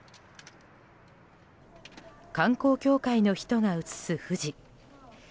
観光協会の人が映す富士。